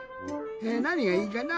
なにがいいかな。